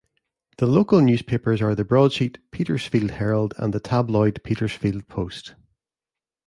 The local newspapers are the broadsheet "Petersfield Herald", and the tabloid "Petersfield Post".